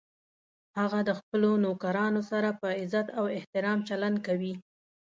هغه د خپلو نوکرانو سره په عزت او احترام چلند کوي